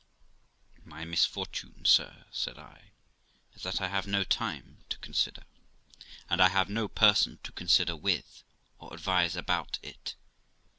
'My misfortune, sir', said I, 'is that I have no time to consider, and I have no person to consider with or advise about it.